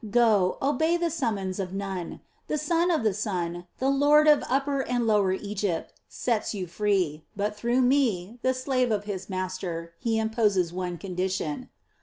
Go, obey the summons of Nun. The son of the sun, the Lord of Upper and Lower Egypt, sets you free; but through me, the slave of his master, he imposes one condition."